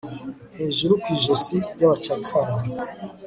Hejuru ku ijosi ryabacakara